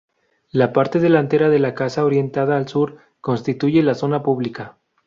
La parte delantera de la casa, orientada al sur, constituye la zona pública.